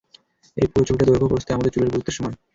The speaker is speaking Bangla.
এই পুরো ছবিটা দৈর্ঘ্য ও প্রস্থে আমাদের চুলের পুরুত্বের সমান।